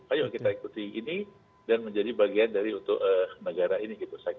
ayo kita ikuti ini dan menjadi bagian dari untuk negara ini gitu